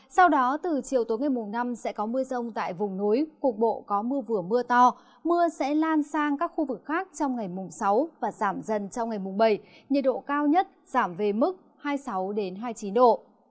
sau đó từ chiều tối ngày mùng năm sẽ có mưa rông tại vùng núi cục bộ có mưa vừa mưa to mưa sẽ lan sang các khu vực khác trong ngày mùng sáu và giảm dần trong ngày mùng bảy nhiệt độ cao nhất giảm về mức hai mươi sáu hai mươi chín độ